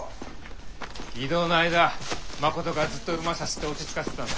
移動の間誠がずっと馬さすって落ち着かせてたんだ。